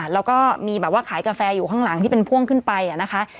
แล้วก็มีแบบว่าขายกาแฟอยู่ข้างหลังที่เป็นพ่วงขึ้นไปนะคะ